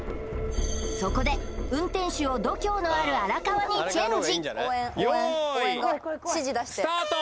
そこで運転手を度胸のある荒川にチェンジ用意スタート！